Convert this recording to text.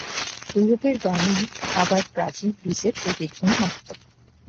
ইউরোপের বাণী আবার প্রাচীন গ্রীসের প্রতিধ্বনিমাত্র।